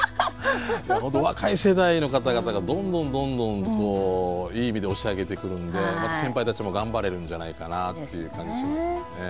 本当若い世代の方々がどんどんどんどんいい意味で押し上げてくるんでまた先輩たちも頑張れるんじゃないかなという感じしますよね。